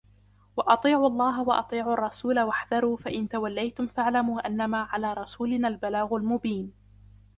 وأطيعوا الله وأطيعوا الرسول واحذروا فإن توليتم فاعلموا أنما على رسولنا البلاغ المبين